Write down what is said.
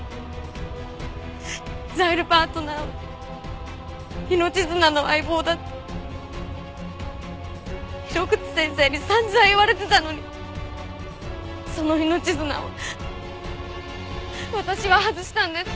ザイルパートナーは命綱の相棒だって井ノ口先生に散々言われてたのにその命綱を私は外したんです。